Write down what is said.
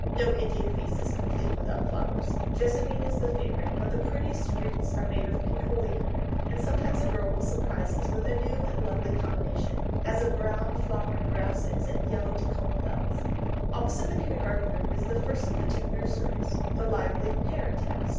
No Indian feast is complete without flowers. Jessamine is the favourite, but the prettiest wreaths are made of pink oleander; and sometimes a girl will surprise us with a new and lovely combination, as of brown flowering grasses and yellow Tecoma bells. [Illustration: A COMING DAY FEAST.] Opposite the kindergarten room is the first of the two new nurseries the lively Parrot house.